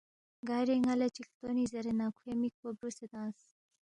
گارے ن٘ا لہ چِک ہلتونی زیرے نہ کھوے مِک پو برُوسے تنگس